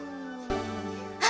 あ！